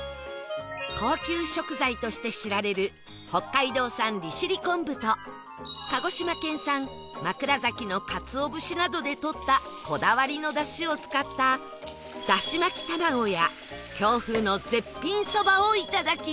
高級食材として知られる北海道産利尻昆布と鹿児島県産枕崎のかつお節などで取ったこだわりのダシを使っただし巻き玉子や京風の絶品そばを頂きます